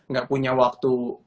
gak punya waktu